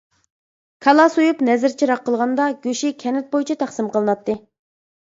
كالا سويۇپ، نەزىر-چىراغ قىلغاندا، گۆشى كەنت بويىچە تەقسىم قىلىناتتى.